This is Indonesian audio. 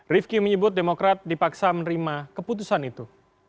rifki menyebut demokrat dipaksa menerima keputusan itu